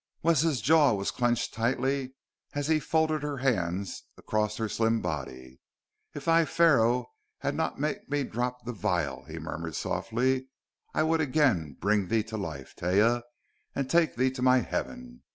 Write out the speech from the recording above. Wes's jaws were clenched tightly as he folded her hands across her slim body. "If thy Pharaoh had not made me drop the vial," he murmured softly, "I would again bring thee to life, Taia, and take thee to my heaven....